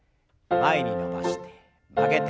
前に伸ばして曲げて。